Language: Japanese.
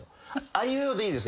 「あいうえお」でいいです。